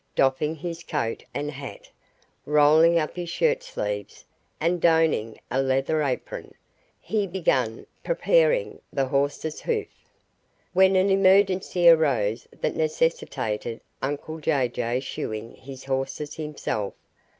Doffing his coat and hat, rolling up his shirt sleeves, and donning a leather apron, he began preparing the horse's hoof. When an emergency arose that necessitated uncle Jay Jay shoeing his horses himself.